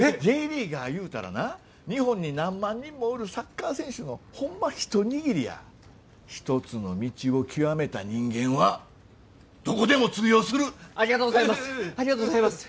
Ｊリーガーいうたらな日本に何万人もおるサッカー選手のホンマ一握りや一つの道をきわめた人間はどこでも通用するありがとうございますありがとうございます